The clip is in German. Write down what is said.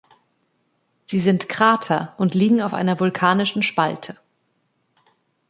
Sie sind Krater und liegen auf einer vulkanischen Spalte.